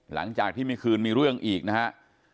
หลังจากที่เมื่อคืนมีเรื่องอีกนะฮะ